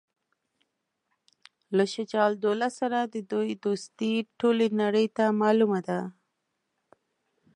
له شجاع الدوله سره د دوی دوستي ټولي نړۍ ته معلومه ده.